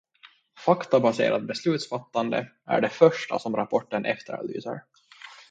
Faktabaserat beslutsfattande är det första som rapporten efterlyser.